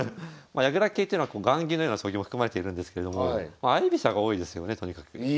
まあ矢倉系っていうのは雁木のような将棋も含まれているんですけれども相居飛車が多いですよねとにかく。